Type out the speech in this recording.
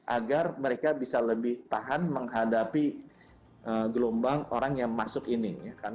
agar mereka bisa lebih tahan menghadapi gelombang orang yang masuk ini